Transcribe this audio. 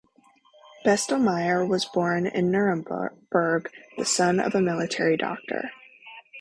Bestelmeyer was born in Nuremberg, the son of a military doctor.